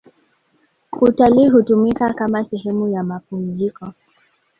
utalii hutumika kama sehemu ya mapumziko